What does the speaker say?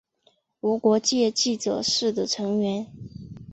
无国界记者是的成员。